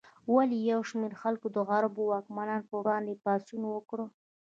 ولې یو شمېر خلکو د عربو واکمنانو پر وړاندې پاڅون وکړ؟